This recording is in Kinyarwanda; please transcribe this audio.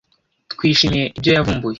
Twishimiye ibyo yavumbuye.